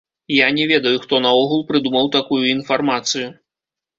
Я не ведаю, хто наогул прыдумаў такую інфармацыю.